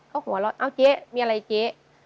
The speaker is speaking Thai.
ก็หัวเราะเอ้าเจ๊มีอะไรเจ๊